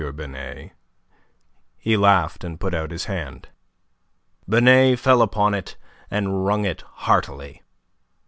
Binet." He laughed, and put out his hand. Binet fell upon it and wrung it heartily.